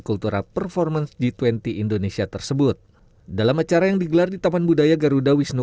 kultura performance g dua puluh indonesia tersebut dalam acara yang digelar di taman budaya garuda wisnu